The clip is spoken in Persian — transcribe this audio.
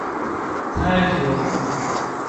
ته خیابان